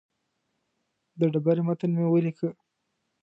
د ډبرې متن مې ولیکه.